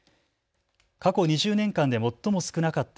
過去２０年間で最も少なかった